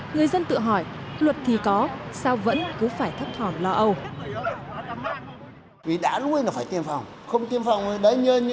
người dân tự hỏi luật thì có sao vẫn cứ phải thấp thỏm lo âu